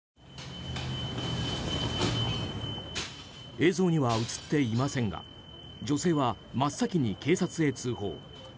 映像には映っていませんが女性は真っ先に警察へ通報。